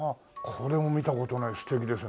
これも見た事ない素敵ですね。